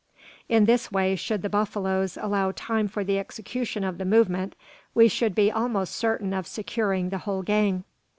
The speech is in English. In this way, should the buffaloes allow time for the execution of the movement, we should be almost certain of securing the whole gang.